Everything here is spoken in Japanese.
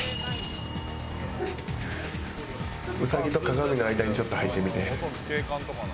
兎と鏡の間にちょっと入ってみて。